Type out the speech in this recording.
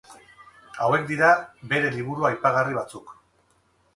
Hauek dira bere liburu aipagarri batzuk.